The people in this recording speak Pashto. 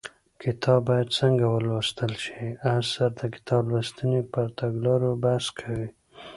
کتاب باید څنګه ولوستل شي اثر د کتاب لوستنې پر تګلارو بحث کوي